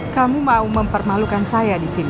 kamu mau mempermalukan saya di sini